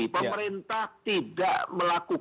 pemerintah tidak melakukan